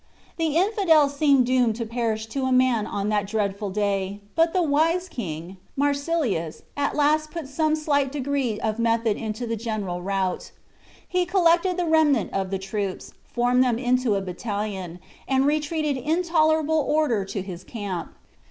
The infidels seemed doomed to perish to a man on that dreadful day; but the wise king, Marsilius, at last put some slight degree of method into the general rout. He collected the remnant of the troops, formed them into a battalion, and retreated in tolerable order to his camp.